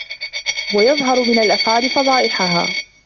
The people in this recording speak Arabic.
وَيُظْهِرُ مِنْ الْأَفْعَالِ فَضَائِحَهَا